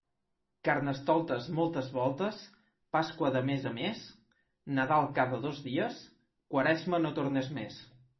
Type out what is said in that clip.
Carnestoltes moltes voltes, Pasqua de mes a més, Nadal cada dos dies, Quaresma, no tornes més.